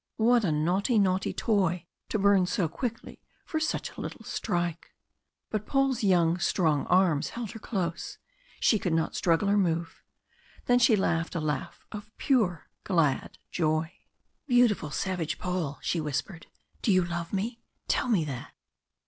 What a naughty, naughty toy to burn so quickly for such a little strike! But Paul's young, strong arms held her close, she could not struggle or move. Then she laughed a laugh of pure glad joy. "Beautiful, savage Paul," she whispered. "Do you love me? Tell me that?"